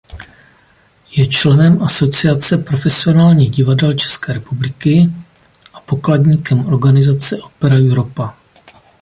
Je členem Asociace profesionálních divadel České republiky a pokladníkem organizace Opera Europa.